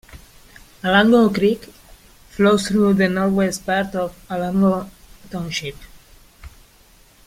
Alango Creek flows through the northwest part of Alango Township.